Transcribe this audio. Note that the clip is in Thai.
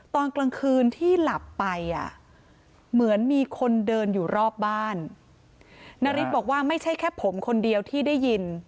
ตอนกลางคืนที่หลับไปอ่ะเหมือนมีคนเดินอยู่รอบบ้านนาริสบอกว่าไม่ใช่แค่ผมคนเดียวที่ได้ยิน